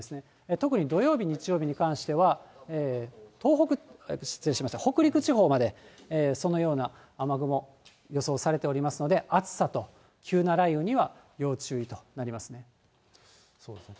特に土曜日、日曜日に関しては、東北、失礼しました、北陸地方までそのような雨雲、予想されておりますので、暑さと急な雷雨には要注意となりますね。